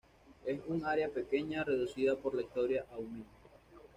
Es un área pequeña, reducida por la historia a un mínimo.